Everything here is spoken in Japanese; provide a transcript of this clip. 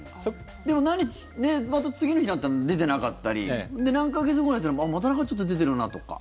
でもまた次の日になったら出ていなかったり何か月後にまたちょっと出ているなとか。